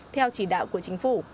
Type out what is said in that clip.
theo chỉ đạo của chính phủ